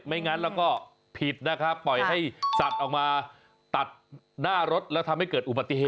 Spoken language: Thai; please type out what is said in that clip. ไม่งั้นปิดปล่อยให้สัตว์ตัดหน้ารถแล้วทำให้เกิดอุบัติเหตุ